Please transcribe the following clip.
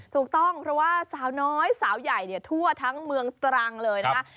ถูกต้องเพราะว่าสาวน้อยสาวใหญ่ทั่วทั้งเมืองตรังเลยนะคะ